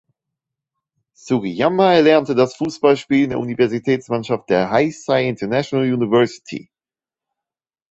Sugiyama erlernte das Fußballspielen in der Universitätsmannschaft der Heisei International University.